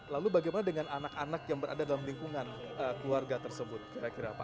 lalu bagaimana dengan anak anak yang berada dalam lingkungan keluarga tersebut kira kira pak